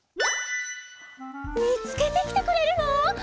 みつけてきてくれるの？